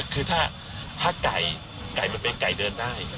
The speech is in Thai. คือถ้าไก่ไก่มันเป็นไก่เดินได้